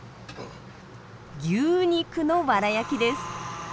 牛肉のワラ焼きです。